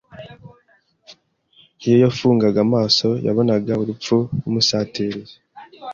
iyo yafungaga amaso yabonaga urupfu rumusatiriye,